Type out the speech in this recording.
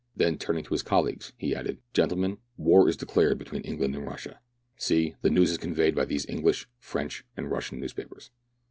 Then turning to his colleagues, he added, — "Gentlemen, war is declared between England and Russia, See, the news is conveyed by thesf; English, French, and Russian newspapers.